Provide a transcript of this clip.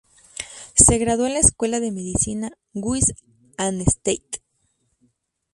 Se graduó en la escuela de medicina "Guys and St.